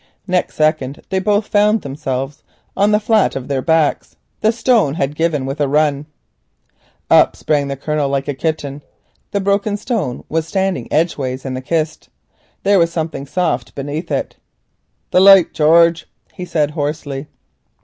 Next second they both found themselves on the flat of their backs. The stone had given with a run. Up sprang Harold like a kitten. The broken stone was standing edgeways in the kist. There was something soft beneath it. "The light, George," he said hoarsely.